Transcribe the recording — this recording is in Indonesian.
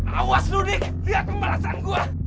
awas lo dik lihat pembalasan gua